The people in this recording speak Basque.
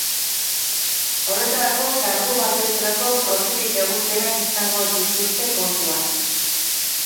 Horretarako, kargu bakoitzerako profilik egokienak izango dituzte kontuan.